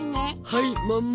はいママ。